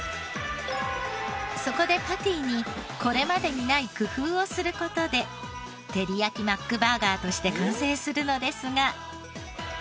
そこでパティにこれまでにない工夫をする事でてりやきマックバーガーとして完成するのですが。